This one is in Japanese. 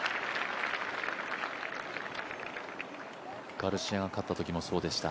ガルシアが勝ったときもそうでした。